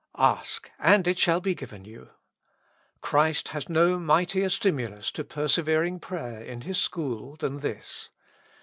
"Ask, and it shall be given you.^^ Christ has no mightier stimulus to persevering prayer in His school than this.